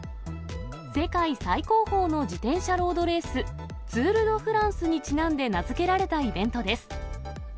世界最高峰の自転車ロードレース、ツール・ド・フランスにちなんで名付けられたイベントです。